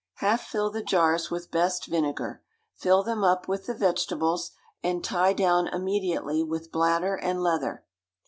Half fill the jars with best vinegar, fill them up with the vegetables, and tie down immediately with bladder and leather.